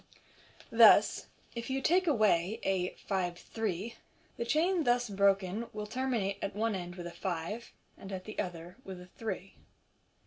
Thus, if you take away a " five three," the chain thus broken will terminate at one end with a five, and at the other with a three.